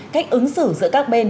cách ứng xử giữa các bên